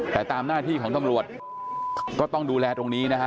แต่ตามหน้าที่ของตำรวจก็ต้องดูแลตรงนี้นะฮะ